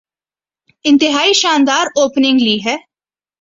انتہائی شاندار اوپننگ لی ہے۔